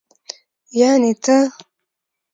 يعنې ته.